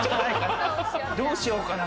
どうしようかな。